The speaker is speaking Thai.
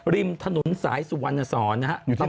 ริมถนนสายสุวรรณสอนนะครับ